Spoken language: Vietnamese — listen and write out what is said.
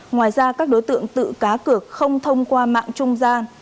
ngoài ra các đối tượng tự cá cược không thông qua mạng trung gian